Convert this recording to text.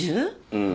うん。